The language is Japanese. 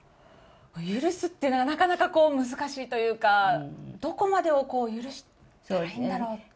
許すっていうのはなかなか難しいというか、どこまでを許したらいいんだろうって。